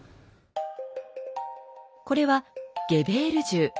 これはゲベール銃。